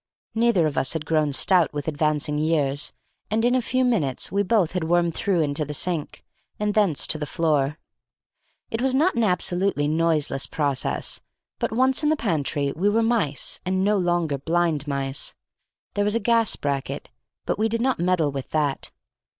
Neither of us had grown stout with advancing years, and in a few minutes we both had wormed through into the sink, and thence to the floor. It was not an absolutely noiseless process, but once in the pantry we were mice, and no longer blind mice. There was a gas bracket, but we did not meddle with that.